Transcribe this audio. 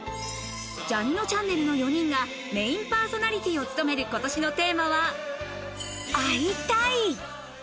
「ジャにのちゃんねる」の４人がメインパーソナリティーを務める今年のテーマは、「会いたい！」。